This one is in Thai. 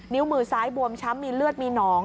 มือซ้ายบวมช้ำมีเลือดมีหนอง